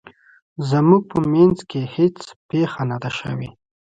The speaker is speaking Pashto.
زموږ په مینځ کې هیڅ پیښه نه ده شوې